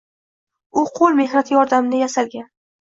U qo‘l mehnati yordamida yasalgan.